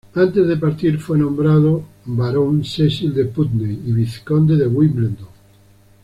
Antes de partir fue nombrado barón Cecil de Putney y vizconde de Wimbledon.